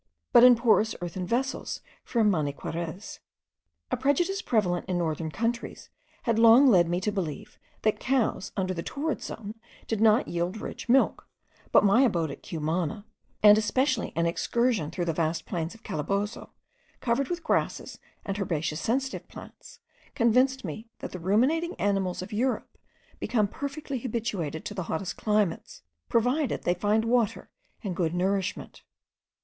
but in porous earthen vessels from Maniquarez. A prejudice prevalent in northern countries had long led me to believe, that cows, under the torrid zone, did not yield rich milk; but my abode at Cumana, and especially an excursion through the vast plains of Calabozo, covered with grasses, and herbaceous sensitive plants, convinced me that the ruminating animals of Europe become perfectly habituated to the hottest climates, provided they find water and good nourishment.